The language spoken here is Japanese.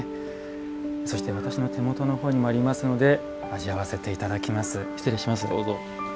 そして、私の手元のほうにもありますので味わわせていただきます。